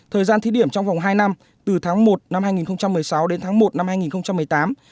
thời gian thí điểm trong vòng hai năm từ tháng một năm hai nghìn một mươi sáu đến tháng một năm hai nghìn một mươi tám